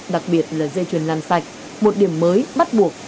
đặc biệt là dây chuyền làm sạch một điểm mới bắt buộc